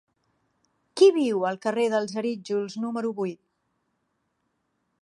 Qui viu al carrer dels Arítjols número vuit?